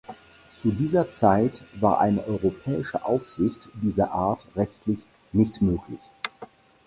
Zu dieser Zeit war eine europäische Aufsicht dieser Art rechtlich nicht möglich.